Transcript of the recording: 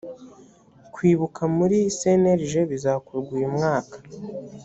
kwibuka muri cnlg bizakorwa uyumwaka